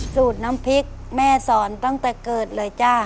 สูตรน้ำพริกแม่สอนตั้งแต่เกิดเลยจ้ะ